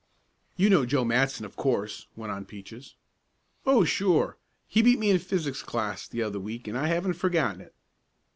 "You know Joe Matson, of course," went on Peaches. "Oh, sure. He beat me in physics class the other week and I haven't forgotten it."